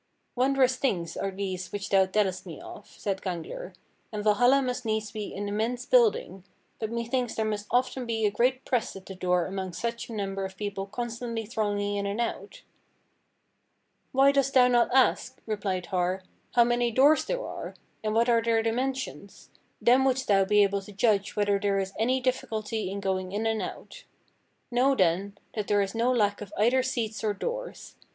"Wondrous things are these which thou tellest me of," said Gangler, "and Valhalla must needs be an immense building, but methinks there must often be a great press at the door among such a number of people constantly thronging in and out?" "Why dost thou not ask," replied Har, "how many doors there are, and what are their dimensions; then wouldst thou be able to judge whether there is any difficulty in going in and out. Know, then, that there is no lack of either seats or doors.